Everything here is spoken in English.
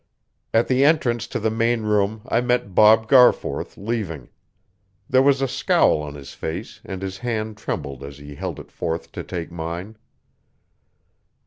At the entrance to the main room I met Bob Garforth, leaving. There was a scowl on his face and his hand trembled as he held it forth to take mine.